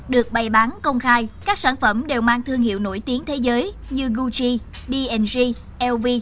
được bày bán công khai các sản phẩm đều mang thương hiệu nổi tiếng thế giới như gucci d g lv